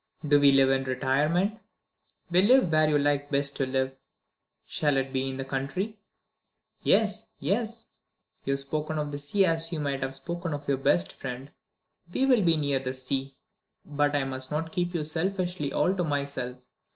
"Do we live in retirement?" "We live where you like best to live. Shall it be in the country?" "Yes! yes! You have spoken of the sea as you might have spoken of your best friend we will be near the sea. But I must not keep you selfishly all to myself.